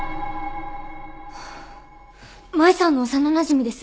麻衣さんの幼なじみです。